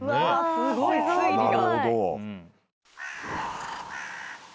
すごい推理が。